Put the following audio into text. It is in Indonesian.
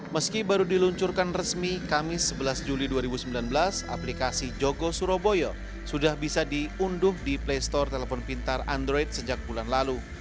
meski baru diluncurkan resmi kamis sebelas juli dua ribu sembilan belas aplikasi jogo surabaya sudah bisa diunduh di play store telepon pintar android sejak bulan lalu